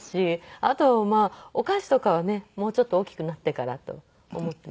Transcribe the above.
あとまあお菓子とかはねもうちょっと大きくなってからと思っていますので。